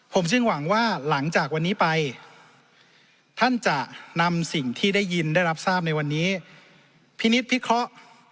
ผมซึ่งหวังว่าหลังจากวันนี้ไปท่านจะนำสิ่งที่ได้ยินได้รับทราบในวันนี้พินิษฐพิเคราะห์